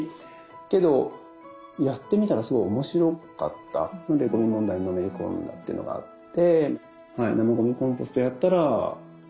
けどやってみたらすごい面白かったのでゴミ問題にのめり込んだっていうのがあって。